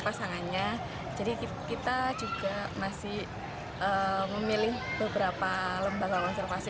pasangannya jadi kita juga masih memilih beberapa lembaga konservasi